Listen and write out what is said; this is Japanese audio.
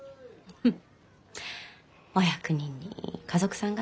フッ。